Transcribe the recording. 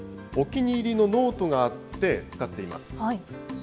お気に入りのノートがあって、使っています。